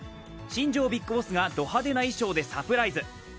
新庄ビッグボスがド派手な衣装でサプライズ。